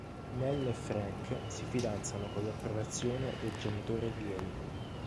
Nell e Frank si fidanzano con l'approvazione dei genitore di lei.